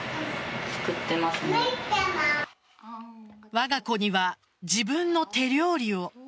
わが子には自分の手料理を。